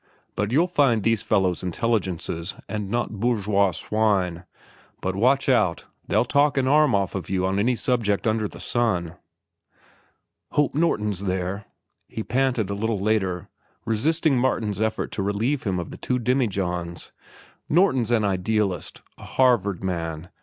But you'll find these fellows intelligences and not bourgeois swine. But watch out, they'll talk an arm off of you on any subject under the sun." "Hope Norton's there," he panted a little later, resisting Martin's effort to relieve him of the two demijohns. "Norton's an idealist—a Harvard man.